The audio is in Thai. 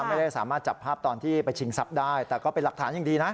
ไม่ได้สามารถจับภาพตอนที่ไปชิงทรัพย์ได้แต่ก็เป็นหลักฐานอย่างดีนะ